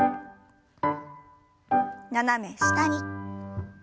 斜め下に。